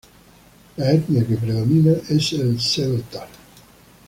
La etnia que predomina es el tzeltal.